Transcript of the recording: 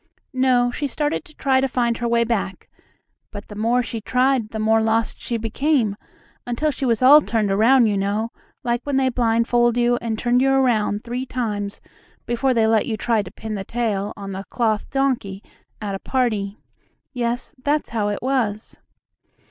No, she started to try to find her way back, but the more she tried the more lost she became, until she was all turned around, you know, like when they blindfold you and turn you around three times before they let you try to pin the tail on the cloth donkey at a party. Yes, that's how it was.